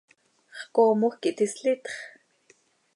¿Xcoomoj quih tislitx?